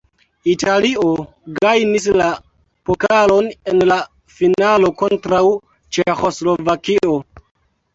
Italio gajnis la pokalon en la finalo kontraŭ Ĉeĥoslovakio.